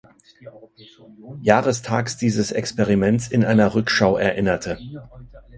Jahrestags dieses Experiments in einer Rückschau erinnerte.